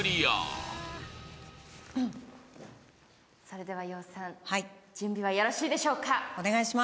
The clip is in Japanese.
それでは羊さん、準備はよろしいでしょうか？